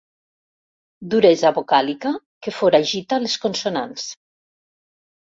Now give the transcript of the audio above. Duresa vocàlica que foragita les consonants.